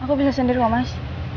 aku bisa sendiriku mas